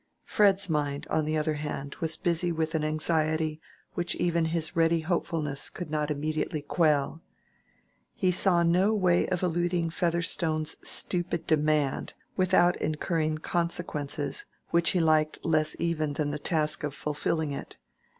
Fred's mind, on the other hand, was busy with an anxiety which even his ready hopefulness could not immediately quell. He saw no way of eluding Featherstone's stupid demand without incurring consequences which he liked less even than the task of fulfilling it.